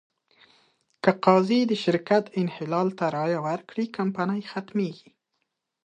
که قاضي د شرکت انحلال ته رایه ورکړي، کمپنۍ ختمېږي.